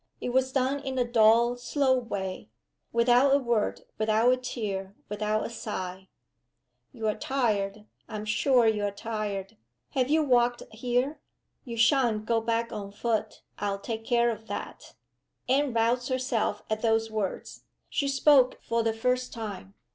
It was done in a dull, slow way without a word, without a tear, without a sigh. "You're tired I'm sure you're tired. Have you walked here? You sha'n't go back on foot; I'll take care of that!" Anne roused herself at those words. She spoke for the first time.